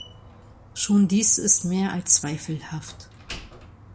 Schon dies ist mehr als zweifelhaft.